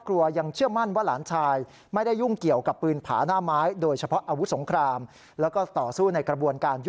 แต่ท้าที่สุดนะครับ